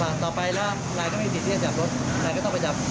นายอุตสาห์ไม่มีแล้วออกจากภารการณ์มาแล้วสิ